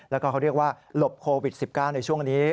แล้วก็เขาเรียกว่าหลบโควิด๑๙ในช่วงนี้